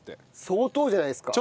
相当じゃないですか。